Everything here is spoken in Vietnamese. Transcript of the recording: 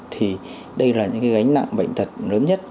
thì đây là những gánh nặng bệnh thật lớn nhất